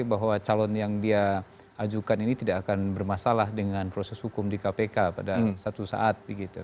bahwa calon yang dia ajukan ini tidak akan bermasalah dengan proses hukum di kpk pada satu saat